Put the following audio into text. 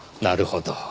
なるほど。